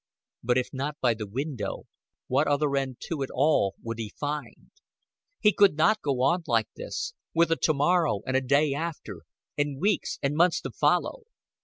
But if not by the window, what other end to it all would he find? He could not go on like this with a to morrow and a day after, and weeks and months to follow.